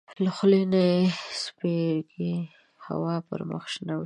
له خولې نه یې د سپېرې هوا پر مخ شنه وشیندل.